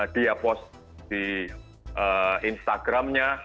dia post di instagramnya